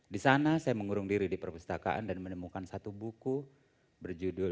di sana saya mengurung diri di perpustakaan dan menemukan satu buku berjudul